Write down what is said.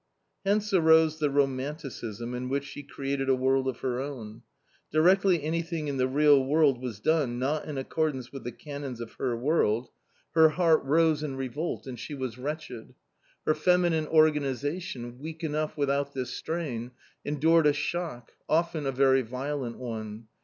Hence arose the romanticism, in which she created a world of her own. Directly anything in the real world was done not in accordance with the canons of her world, her M 178 A COMMON STORY heart rose in revolt and she was wretched. Her feminine organisation, weak enough without this strain, endured a shock, often a very violent one.